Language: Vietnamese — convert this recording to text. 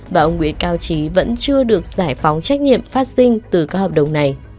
và ông nguyễn cao trí vẫn chưa được giải phóng trách nhiệm phát sinh từ các hợp đồng này